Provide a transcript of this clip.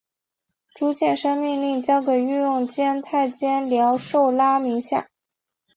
朱见深命令交给御用监太监廖寿拉名下。